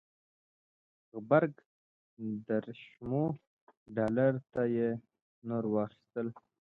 غبرګ دېرشمو ډالرو ته یې نور واخیستل.